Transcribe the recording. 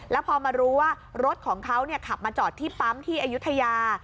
แล้วพอมารู้ว่ารถของเขาขับมาจอดที่ปั๊มที่อายุทยา